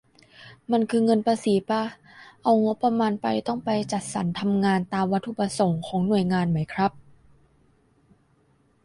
มันคือเงินภาษีป่ะ เอางบประมาณไป ต้องไปจัดสรรทำงานตามวัตถุประสงค์ของหน่วยงานไหมครับ